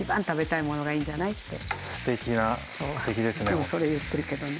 いつもそれ言ってるけどね。